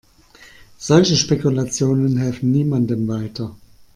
Solche Spekulationen helfen niemandem weiter.